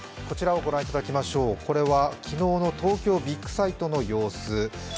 こちらを御覧いただきましょうこちらは昨日の東京ビッグサイトの様子。